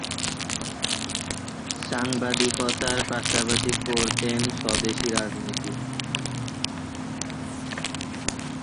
সাংবাদিকতার পাশাপাশি করতেন স্বদেশী রাজনীতি।